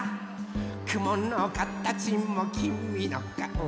「くものかたちもきみのかお」